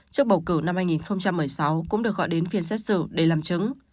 trước bầu cử năm hai nghìn một mươi sáu cũng được gọi đến phiên xét xử để làm chứng